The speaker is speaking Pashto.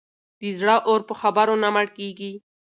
د زړه اور په خبرو نه مړ کېږي.